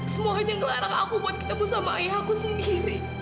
semua orang hanya ngelarang aku buat ketemu dengan ayahku sendiri